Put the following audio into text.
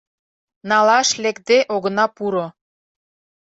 Налаш лекде огына пуро